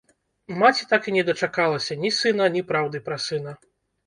Маці так і не дачакалася ні сына, ні праўды пра сына.